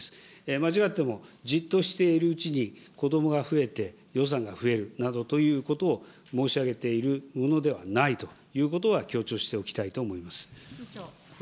間違ってもじっとしているうちに子どもが増えて、予算が増えるなどということを申し上げているのではないということは、強調しておきたいと思います。